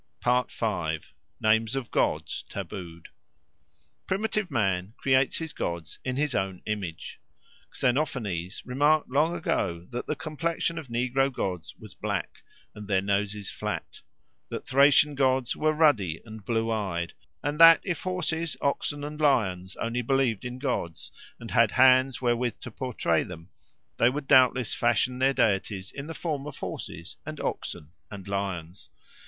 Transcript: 5. Names of Gods tabooed PRIMITIVE man creates his gods in his own image. Xenophanes remarked long ago that the complexion of negro gods was black and their noses flat; that Thracian gods were ruddy and blue eyed; and that if horses, oxen, and lions only believed in gods and had hands wherewith to portray them, they would doubtless fashion their deities in the form of horses, and oxen, and lions.